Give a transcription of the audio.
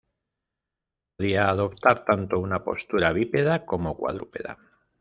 Podía adoptar tanto una postura bípeda como cuadrúpeda.